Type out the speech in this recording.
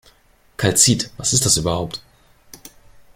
Kalzit, was ist das überhaupt?